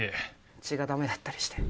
血が駄目だったりして。